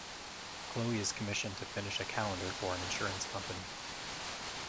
Chloe is commissioned to finish a calendar for an insurance company.